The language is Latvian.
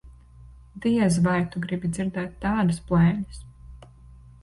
Diez vai tu gribi dzirdēt tādas blēņas.